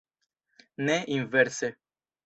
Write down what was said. Ne inverse.